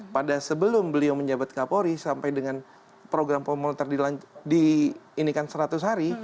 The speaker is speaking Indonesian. pada sebelum beliau menjabatkan polri sampai dengan program pemulut terdilang di ini kan seratus hari